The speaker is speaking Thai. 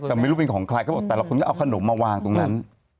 แต่ไม่รู้เป็นของใครเขาบอกแต่ละคนก็เอาขนมมาวางตรงนั้น